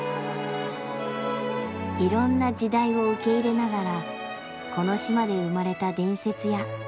いろんな時代を受け入れながらこの島で生まれた伝説や妖精たち。